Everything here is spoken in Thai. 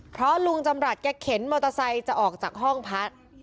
เพราะลุงจำรัฐแกเข็นมอเตอร์ไซค์จะออกจากห้องพัก